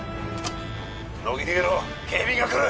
乃木逃げろ警備員が来る！